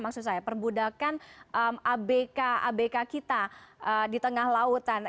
maksud saya perbudakan abk abk kita di tengah lautan